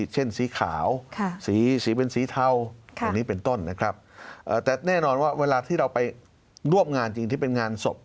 เช่นสีขาวสีเป็นสีเทาอย่างนี้เป็นต้นนะครับแต่แน่นอนว่าเวลาที่เราไปร่วมงานจริงที่เป็นงานศพ